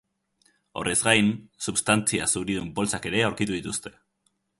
Horrez gain, substantzia zuridun poltsak ere aurkitu dituzte.